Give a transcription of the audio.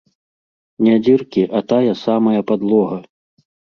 Не дзіркі, а тая самая падлога!